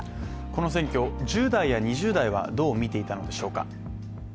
この選挙、１０代や２０代はどう見ていたのでしょうか。